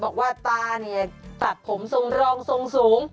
บอกว่าตาเนี่ยตัดผมทรงสูง